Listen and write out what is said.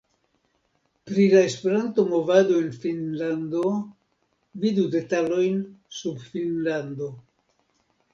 Pri la Esperanto-movado en Finnlando: vidu detalojn sub Finnlando.